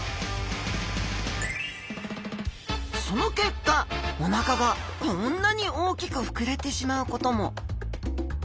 その結果お腹がこんなに大きく膨れてしまうことも。